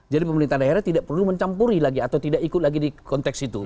jadi pemerintah daerah tidak perlu mencampuri lagi atau tidak ikut lagi di konteks itu